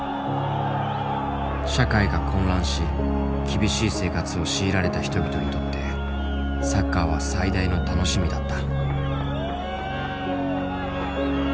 社会が混乱し厳しい生活を強いられた人々にとってサッカーは最大の楽しみだった。